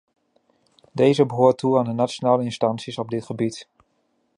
Deze behoort toe aan de nationale instanties op dit gebied.